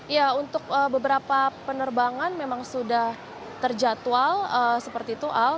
ya untuk beberapa penerbangan memang sudah terjatual seperti itu al